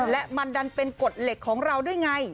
และมันดันเป็นกฎเหล็กของเราด้วยไง